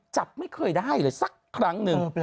จับไม่เคยได้เลยสักครั้งหนึ่ง